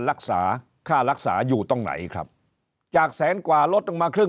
รักษาค่ารักษาอยู่ตรงไหนครับจากแสนกว่าลดลงมาครึ่ง